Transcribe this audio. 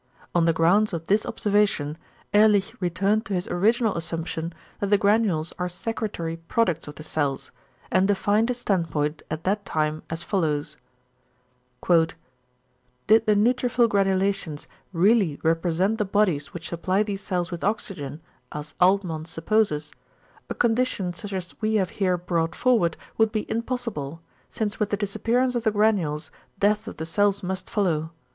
On the grounds of this observation Ehrlich returned to his original assumption that the granules are secretory products of the cells, and defined his standpoint at that time as follows: "Did the neutrophil granulations really represent the bodies which supply these cells with oxygen, as Altmann supposes, a condition such as we have here brought forward would be impossible, since with the disappearance of the granules death of the cells must follow.